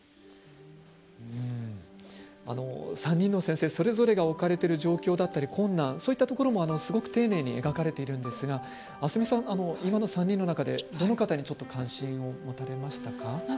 ３人の先生それぞれが置かれている状況だったり困難そんなところもすごく丁寧に描かれているんですが明日海さんは３人の中でどの方に関心を持たれましたか？